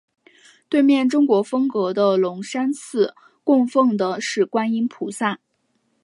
对面中国风格的龙山寺供奉的是观音菩萨。